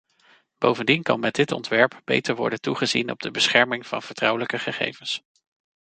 Bovendien kan met dit ontwerp beter worden toegezien op de bescherming van vertrouwelijke gegevens.